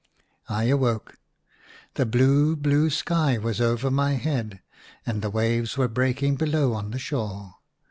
I awoke. The blue, blue sky was over my head, and the waves were breaking below on the shore.